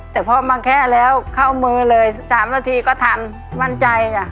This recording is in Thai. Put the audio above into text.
แต่พอมาแค่แล้วเข้ามือเลย๓นาทีก็ทันมั่นใจจ้ะ